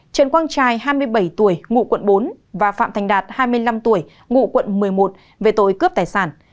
trần quang trai hai mươi bảy tuổi ngụ quận bốn và phạm thành đạt hai mươi năm tuổi ngụ quận một mươi một về tội cướp tài sản